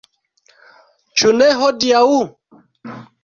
Ĉu ne hodiaŭ?